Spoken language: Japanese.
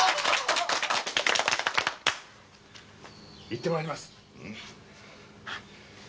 行って参ります。